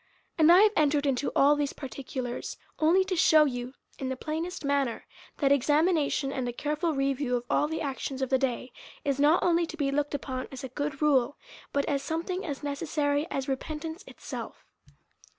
And 1 have entered into all these parti culars only to shew you, in the plainest manner, that examination, and a careful review of all the actions of the day, is not only to be looked upon as a good rule, but as something as necessary as repentance itself.